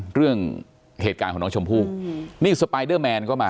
เรื่องเหตุการณ์ของน้องชมพู่นี่สปายเดอร์แมนก็มา